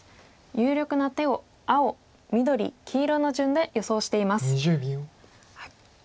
有力な手を青緑黄色の順で予想しています。